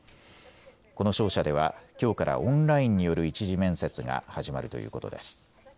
この商社ではきょうからオンラインによる１次面接が始まるということです。